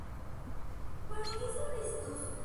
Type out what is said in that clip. Chen nació en Sanya, Hainan.